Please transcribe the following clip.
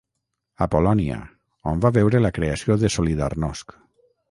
A Polònia, on va veure la creació de Solidarnosc.